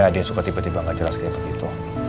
dia suka tiba tiba gak jelas kayak begitu